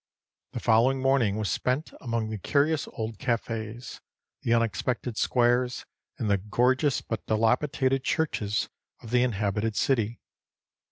The following morning was spent among the curious old cafés, the unexpected squares, and the gorgeous but dilapidated churches of the inhabited city.